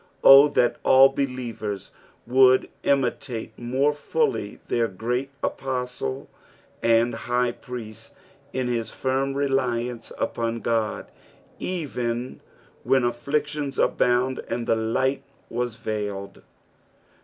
O that »11 believers would imitate more fullj their ^eat Apostle and High Priest in his firm reliance upon God, even \rhen afflictions abounded and the light was veiled.